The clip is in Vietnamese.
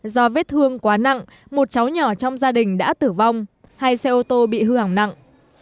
do vết thương quá nặng một cháu nhỏ trong gia đình đã tử vong hai xe ô tô bị hư hỏng nặng